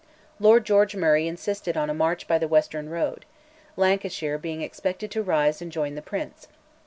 Lord George Murray insisted on a march by the western road, Lancashire being expected to rise and join the Prince.